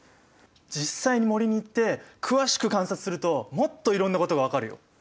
実際に森に行って詳しく観察するともっといろんなことが分かるよ。